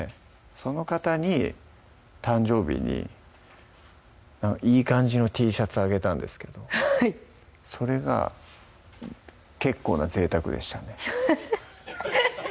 その方に誕生日にいい感じのＴシャツあげたんですけどそれが結構なぜいたくでしたね